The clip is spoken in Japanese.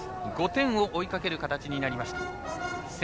５点を追いかける形になりました。